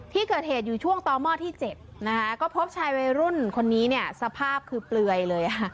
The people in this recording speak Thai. ที่เกิดเหตุอยู่ช่วงต้อมอดที่เจ็บก็พบชายวัยรุ่นคนนี้สภาพคือเปลือยเลย